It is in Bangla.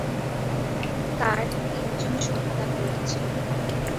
তার তিনজন সন্তান রয়েছে।